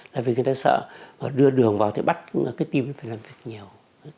là vì người ta sợ đưa đường vào thì bắt cái tim phải làm việc nhiều